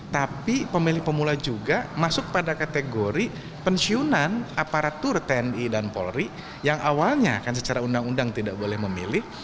tapi pemilih pemula juga masuk pada kategori pensiunan aparatur tni dan polri yang awalnya kan secara undang undang tidak boleh memilih